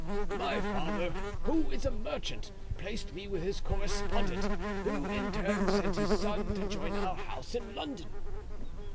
"My father, who is a merchant, placed me with his correspondent, who in turn sent his son to join our house in London."